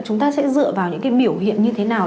chúng ta sẽ dựa vào những cái biểu hiện như thế nào